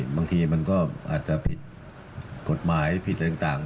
บางทีมันก็อาจจะผิดกฎหมายผิดอะไรต่าง